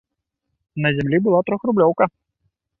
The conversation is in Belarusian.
На зямлі была трохрублёўка.